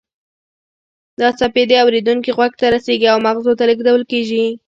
دا څپې د اوریدونکي غوږ ته رسیږي او مغزو ته لیږدول کیږي